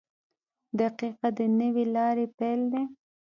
• دقیقه د نوې لارې پیل دی.